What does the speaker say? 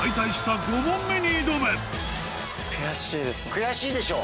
悔しいでしょう。